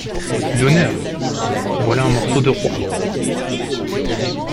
D’honneur ! voilà un morceau de roi !…